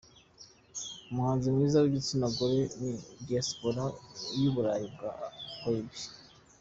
Umuhanzi mwiza w’igitsina gore muri Diaspora y’Uburayi bwa Caraïbes.